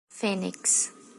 Fênix